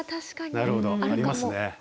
なるほど。ありますね。